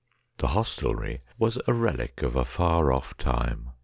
The hostelry was a relic of a far off time.